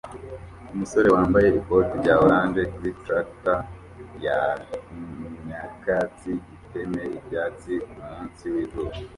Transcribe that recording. Umusore wambaye ikoti rya orange kuri traktor ya nyakatsi itema ibyatsi kumunsi wizuba